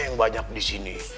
yang banyak di sini